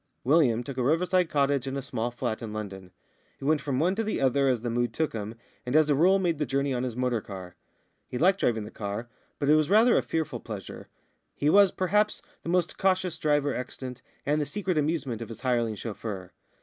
William took a riverside cottage and a small flat in London. He went from one to the other as the mood took him, and as a rule made the journey on his motor car. He liked driving the car, but it was rather a fearful pleasure. He was, perhaps, the most cautious driver extant, and the secret amusement of his hireling chauffeur.